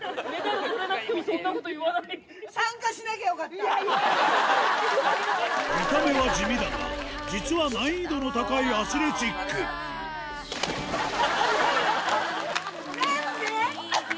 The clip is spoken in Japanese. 見た目は地味だが実は難易度の高いアスレチックなんで？